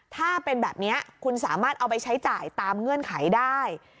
ถ้าเป็นแบบนี้คุณสามารถเอาไปใช้จ่ายตามเงื่อนไขได้